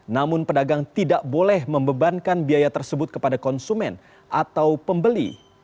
namun pedagang tidak boleh membebankan biaya tersebut kepada konsumen atau pembeli